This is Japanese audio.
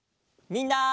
みんな。